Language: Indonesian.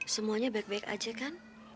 semuanya baik baik aja kan